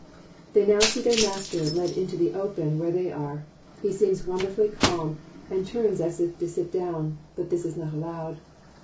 They now see their master led into the open where they are. He seems wonderfully calm and turns as if to sit down — but this is not allowed.